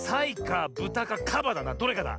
どれかだ。